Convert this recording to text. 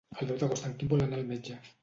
El deu d'agost en Quim vol anar al metge.